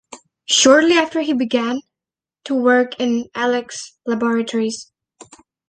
Shortly after, he began to work in Alex laboratories.